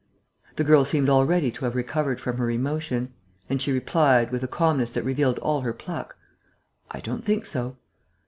The girl seemed already to have recovered from her emotion; and she replied, with a calmness that revealed all her pluck: "I don't think so."